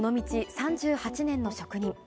３８年の職人。